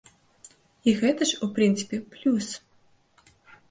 І гэта ж, у прынцыпе, плюс!